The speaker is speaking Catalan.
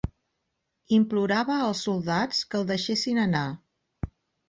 Implorava als soldats que el deixessin anar.